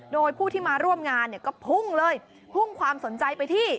โดยผู้ที่มาร่วมงานเนี่ยก็พุ่งเลยพุ่งความสนใจไปที่